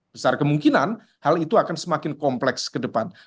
besar kemungkinan hal itu akan semakin kompleks ke depan